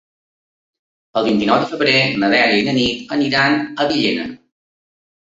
El vint-i-nou de febrer na Dèlia i na Nit aniran a Villena.